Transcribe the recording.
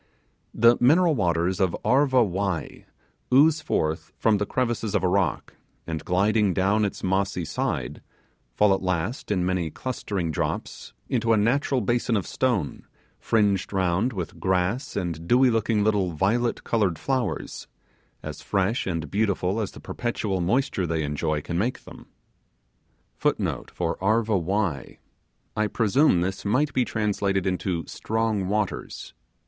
The mineral waters of Arva Wai* ooze forth from the crevices of a rock, and gliding down its mossy side, fall at last, in many clustering drops, into a natural basin of stone fringed round with grass and dewy looking little violet coloured flowers, as fresh and beautiful as the perpetual moisture they enjoy can make them. *I presume this might be translated into 'Strong Waters'.